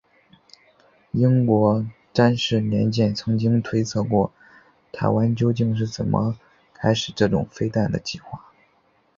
英国詹氏年鉴曾经推测过台湾究竟是怎么开始这种飞弹的计划。